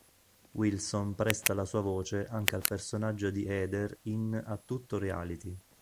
Wilson presta la sua voce anche al personaggio di Heather in A tutto reality.